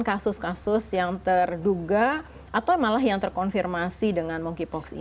kasus kasus yang terduga atau malah yang terkonfirmasi dengan monkeypox ini